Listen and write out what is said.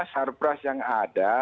sarpras yang ada